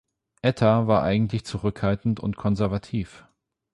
Etta war eigentlich zurückhaltend und konservativ.